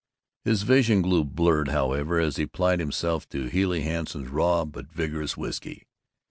His vision grew blurred, however, as he applied himself to Healey Hanson's raw but vigorous whisky.